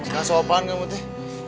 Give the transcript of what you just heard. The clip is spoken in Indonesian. kasih apaan kebutih